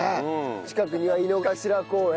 近くには井の頭公園？